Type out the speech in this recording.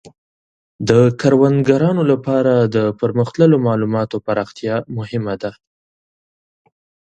د کروندګرانو لپاره د پرمختللو مالوماتو پراختیا مهمه ده.